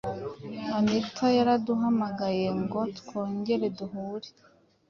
anita yaraduhamagaye ngo twongere duhure